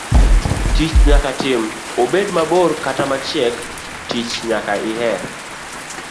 Tich nyaka tim, obed mabor kata machiek, tich nyaka iher.